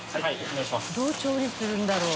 どう調理するんだろう？